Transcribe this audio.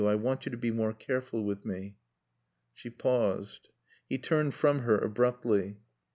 I want you to be more careful with me." She paused. He turned from her abruptly.